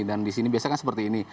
dan di sini biasanya seperti ini